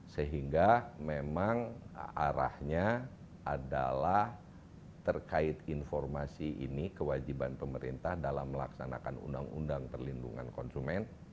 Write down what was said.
sehingga memang arahnya adalah terkait informasi ini kewajiban pemerintah dalam melaksanakan undang undang perlindungan konsumen